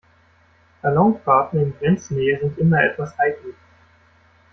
Ballonfahrten in Grenznähe sind immer etwas heikel.